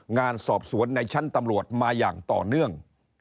งานสอบสวนในชั้นตำรวจมาอย่างต่อเนื่อง